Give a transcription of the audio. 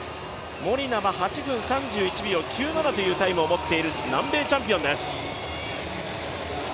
モリナは８分３１秒９７というタイムを持っている南米チャンピオンです。